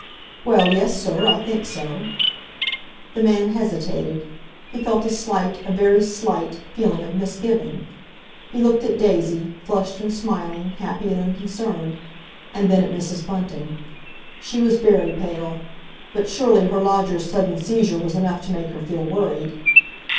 "Well, yes, sir; I think so." The man hesitated; he felt a slight, a very sight, feeling of misgiving. He looked at Daisy, flushed and smiling, happy and unconcerned, and then at Mrs. Bunting. She was very pale; but surely her lodger's sudden seizure was enough to make her feel worried.